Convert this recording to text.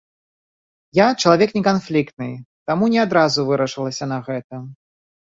Я чалавек неканфліктны, таму ні адразу вырашылася на гэта.